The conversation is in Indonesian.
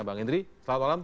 bang hendri selamat malam